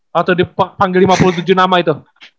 waktu dipanggil lima puluh tujuh nama itu